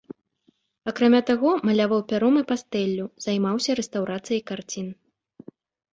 Акрамя таго, маляваў пяром і пастэллю, займаўся рэстаўрацыяй карцін.